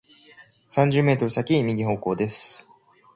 三十メートル先、右方向です。